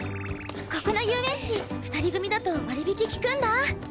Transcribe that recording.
ここの遊園地２人組だと割引利くんだ。